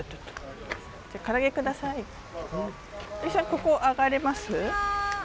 ここ上がれます？